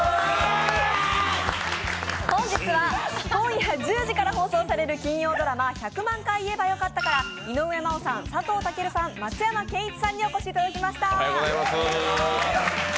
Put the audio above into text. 本日は今夜１０時から放送される金曜ドラマ「１００万回言えばよかった」から井上真央さん、佐藤健さん、松山ケンイチさんにお越しいただきました。